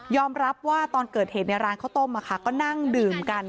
รับว่าตอนเกิดเหตุในร้านข้าวต้มก็นั่งดื่มกัน